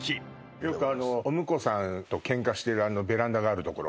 よくあのお婿さんとケンカしてるあのベランダがあるところ？